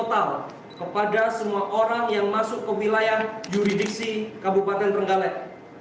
pembatasan wilayah yang masuk ke wilayah trenggalek